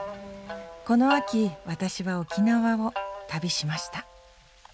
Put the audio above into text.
この秋私は沖縄を旅しました。